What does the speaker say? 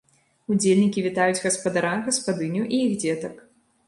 Удзельнікі вітаюць гаспадара, гаспадыню і іх дзетак.